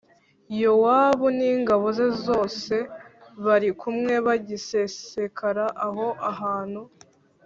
Yowabu n’ingabo ze zose bari kumwe bagisesekara aho hantu